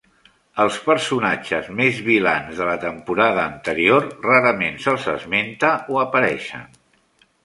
Els personatges més vilans de la temporada anterior rarament se'ls esmenta o apareixen.